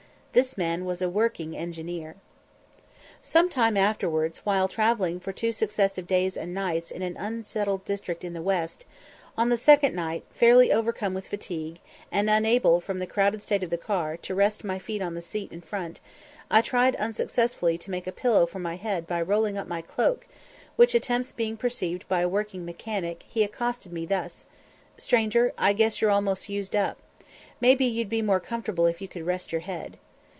This man was a working engineer. Some time afterwards, while travelling for two successive days and nights in an unsettled district in the west, on the second night, fairly overcome with fatigue, and unable, from the crowded state of the car, to rest my feet on the seat in front, I tried unsuccessfully to make a pillow for my head by rolling up my cloak, which attempts being perceived by a working mechanic, he accosted me thus: "Stranger, I guess you're almost used up? Maybe you'd be more comfortable if you could rest your head."